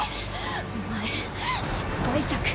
お前失敗作。